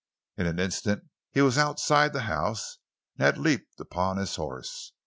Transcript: In an instant he was outside the house and had leaped upon his horse.